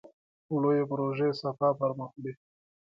لویې پروژې سپاه پرمخ وړي.